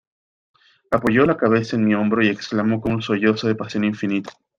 apoyó la cabeza en mi hombro, y exclamó con un sollozo de pasión infinita: